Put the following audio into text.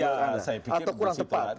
atau kurang tepat